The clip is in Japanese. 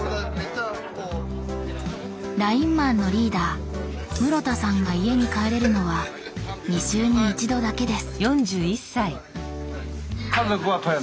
ラインマンのリーダー室田さんが家に帰れるのは２週に１度だけです。